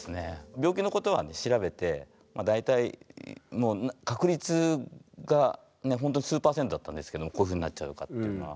病気のことは調べて大体もう確率がほんとに数％だったんですけどこういうふうになっちゃうかというのは。